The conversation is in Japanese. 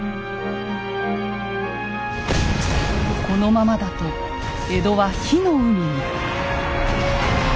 このままだと江戸は火の海に。